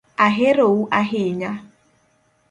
Ahero u ahinya